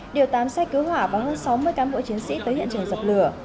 điều tám xe cứu hỏa và hơn sáu mươi cán bộ chiến sĩ tới hiện trường dập lửa